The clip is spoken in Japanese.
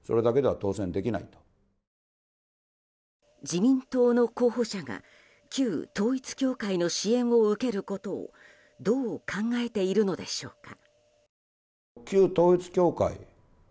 自民党の候補者が旧統一教会の支援を受けることをどう考えているのでしょうか。